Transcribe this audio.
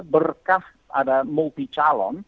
berkah ada multi calon